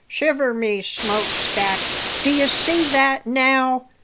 "Shiver my smokestack! d'ye see that, now?"